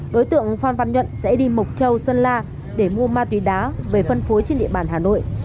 đối tượng phan văn nhuận sẽ đi mộc châu sơn la để mua ma túy đá về phân phối trên địa bàn hà nội